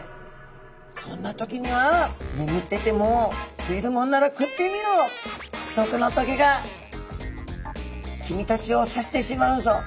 そんな時にはねむってても食えるもんなら食ってみろ毒の棘が君たちを刺してしまうぞ。